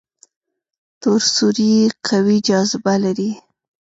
تور سوري قوي جاذبه لري.